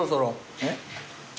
えっ？